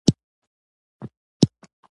په نقاشۍ کې چې څه لیدل کېږي، بې ثبوته دي.